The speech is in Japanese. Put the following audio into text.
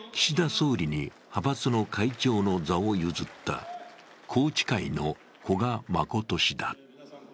総理に派閥の会長の座を譲った、宏池会の古賀誠氏だ。